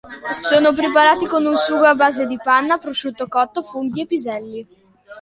Sono preparati con un sugo a base di panna, prosciutto cotto, funghi e piselli.